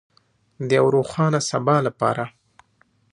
د یو روښانه سبا لپاره.